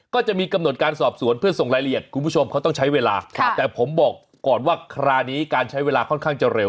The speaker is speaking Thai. ก็จะมีกำหนดการสอบสวนเพื่อส่งรายละเอียดคุณผู้ชมเขาต้องใช้เวลาแต่ผมบอกก่อนว่าคราวนี้การใช้เวลาค่อนข้างจะเร็ว